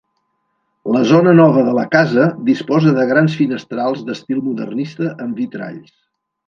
La zona nova de la casa disposa de grans finestrals d'estil modernista amb vitralls.